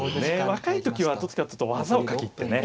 若い時はどっちかっていうと技をかけてね